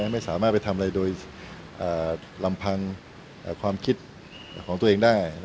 ไม่สามารถไปทำอะไรโดยลำพังความคิดของตัวเองได้